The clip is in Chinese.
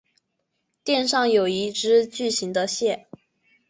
店上有一只巨型的蟹。